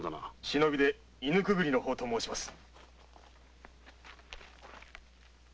忍びで犬くぐりの法と申します。